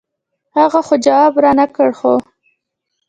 هغه خو جواب رانۀ کړۀ خو